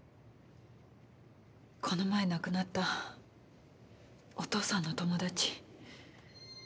この前亡くなったお父さんの友達。